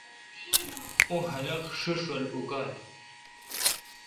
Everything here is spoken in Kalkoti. اوں خلق ݭݭ رل اوکاں